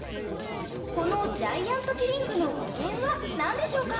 この「ジャイアントキリング」の語源は何でしょうか？